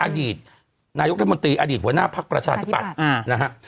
อดีตนายกรัฐมนตรีอดีตหัวหน้าภักดิ์ประชาธิปัตย์นะฮะ